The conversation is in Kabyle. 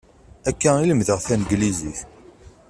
Akka i lemdeɣ taneglizit.